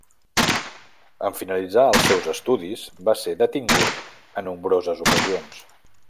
En finalitzar els seus estudis va ser detingut a nombroses ocasions.